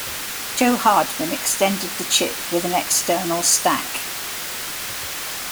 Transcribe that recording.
Joe Hardman extended the chip with an external stack.